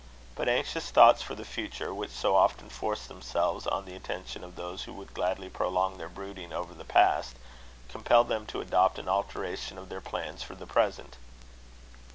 But anxious thoughts for the future, which so often force themselves on the attention of those who would gladly prolong their brooding over the past, compelled them to adopt an alteration of their plans for the present.